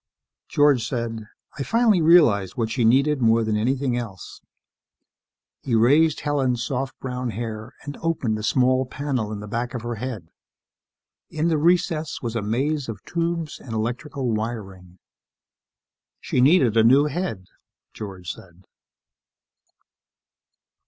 _ George said, "I finally realized what she needed more than anything else ..." He raised Helen's soft brown hair and opened a small panel in the back of her head. In the recess was a maze of tubes and electrical wiring. "She needed a new head," George said.